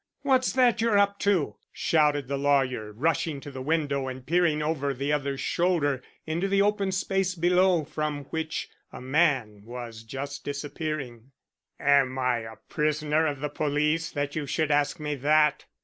"What's that you're up to?" shouted the lawyer, rushing to the window and peering over the other's shoulder into the open space below, from which a man was just disappearing. "Am I a prisoner of the police that you should ask me that?"